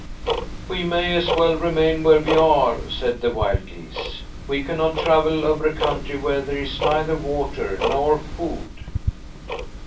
"We may as well remain where we are," said the wild geese. "We cannot travel over a country where there is neither water nor food."